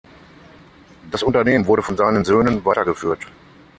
Das Unternehmen wurde von seinen Söhnen weitergeführt.